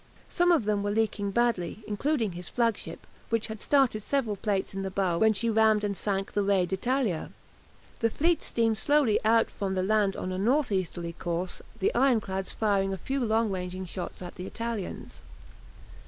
Some of them were leaking badly, including his flagship, which had started several plates in the bow when she rammed and sank the "Re d'Italia." The fleet steamed slowly out from the land on a north easterly course, the ironclads firing a few long ranging shots at the Italians.